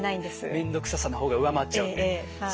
面倒くささの方が上回っちゃうという。